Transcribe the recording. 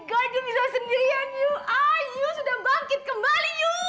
kenapa ditahan di pos hansipasar